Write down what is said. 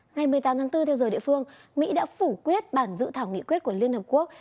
ngày một mươi tám tháng bốn theo giờ địa phương mỹ đã phủ quyết bản dự thảo nghị quyết của liên hợp quốc